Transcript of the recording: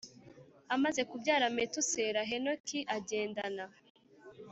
Amaze kubyara Metusela Henoki agendana